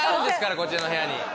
こっちの部屋に。